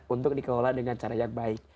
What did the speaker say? untuk dikelola dengan cara yang baik